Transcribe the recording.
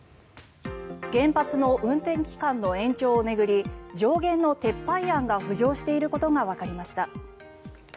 原発の運転期間の延長を巡り上限の撤廃案が浮上していることがわかりました。